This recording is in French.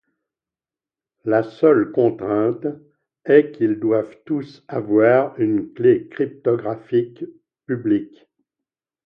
La seule contrainte est qu’ils doivent tous avoir une clef cryptographique publique.